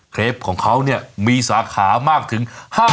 เครปของเขาเนี่ยมีสาขามากถึง๕๐๐